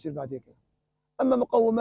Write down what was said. saya menjaga mereka